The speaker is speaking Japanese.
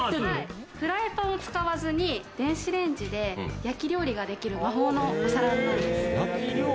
フライパンを使わずに、電子レンジで焼き料理ができる魔法のお皿です。